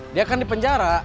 dia akan di penjara